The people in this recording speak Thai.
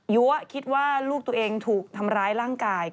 คิดว่าลูกตัวเองถูกทำร้ายร่างกาย